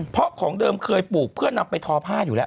เพราะของเดิมเคยปลูกเพื่อนำไปทอผ้าอยู่แล้ว